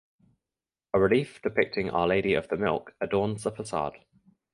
A relief depicting Our Lady of the Milk adorns the facade.